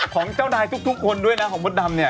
ของเจ้านายทุกคนด้วยนะของมดดำเนี่ย